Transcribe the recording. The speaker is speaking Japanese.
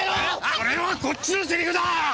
それはこっちのセリフだ！